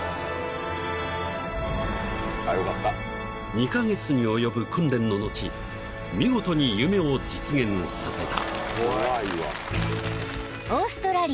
［２カ月に及ぶ訓練の後見事に夢を実現させた］